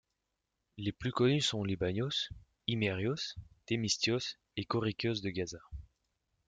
Les plus connus sont Libanios, Himérios, Thémistios et Choricios de Gaza.